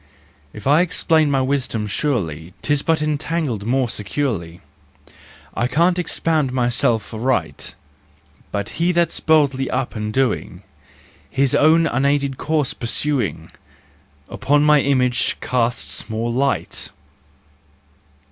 If I explain my wisdom, surely Tis but entangled more securely, I can't expound myself aright: But he that's boldly up and doing, His own unaided course pursuing, Upon my image casts more light!